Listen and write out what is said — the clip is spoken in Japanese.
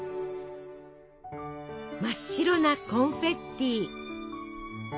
真っ白なコンフェッティ！